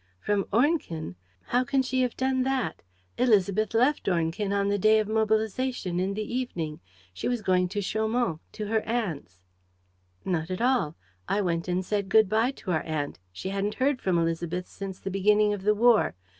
"From Ornequin? How can she have done that? Élisabeth left Ornequin on the day of mobilization, in the evening. She was going to Chaumont, to her aunt's." "Not at all. I went and said good bye to our aunt: she hadn't heard from Élisabeth since the beginning of the war.